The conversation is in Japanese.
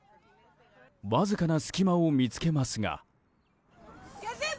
わずかな隙間を見つけますが。